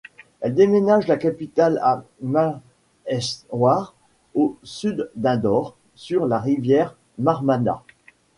Elle déménage la capitale à Maheshwar au sud d'Indore, sur la rivière Narmada.